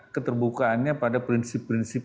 keterbukaannya pada prinsip prinsip